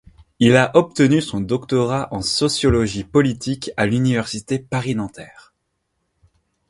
Il a obtenu son doctorat en sociologie politique à l'université Paris-Nanterre.